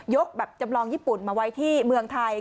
แบบจำลองญี่ปุ่นมาไว้ที่เมืองไทย